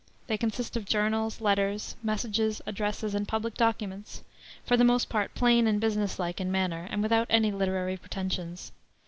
They consist of journals, letters, messages, addresses, and public documents, for the most part plain and business like in manner, and without any literary pretensions.